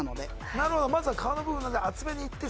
なるほどまずは皮の部分なので厚めにいってそして。